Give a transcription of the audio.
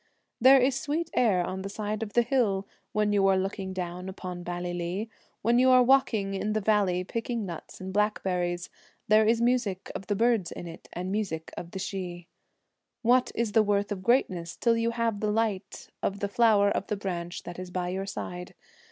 There is sweet air on the side of the hill When you are looking down upon Ballylee ; 39 Dust hath closed Helen's eye.' Twilight. The When you are walking in the valley picking nuts Celtic an( j blackberries, There is music of the birds in it and music of the Sidhe. What is the worth of greatness till you have the light Of the flower of the branch that is by your side?